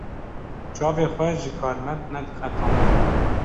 Çavê xwe ji karmend nediqetand.